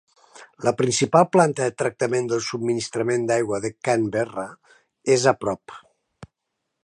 La principal planta de tractament del subministrament d'aigua de Canberra és a prop.